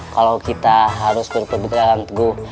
kalau kita harus berbegangan teguh